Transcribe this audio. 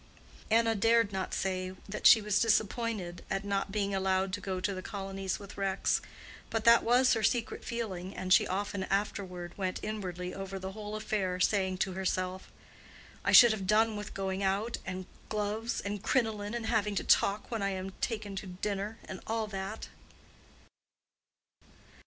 Anna dared not say that she was disappointed at not being allowed to go to the colonies with Rex; but that was her secret feeling, and she often afterward went inwardly over the whole affair, saying to herself, "I should have done with going out, and gloves, and crinoline, and having to talk when I am taken to dinner—and all that!"